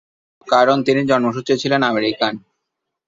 কারণ তিনি জন্মসূত্রে ছিলেন আমেরিকান।